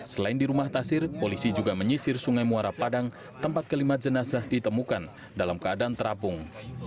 selain di rumah tasir polisi juga menyisir sungai muara padang tempat kelima jenazah ditemukan dalam keadaan terapung